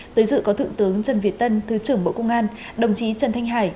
tới dự có thượng tướng trần việt tân thứ trưởng bộ công an đồng chí trần thanh hải